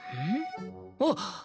あっ！